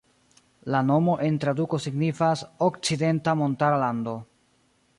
La nomo en traduko signifas "Okcidenta Montara Lando".